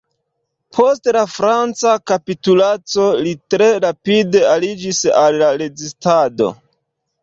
Post la franca kapitulaco, li tre rapide aliĝis al la rezistado.